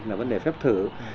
là vấn đề phép thử